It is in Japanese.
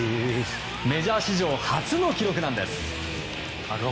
メジャー史上初の記録です。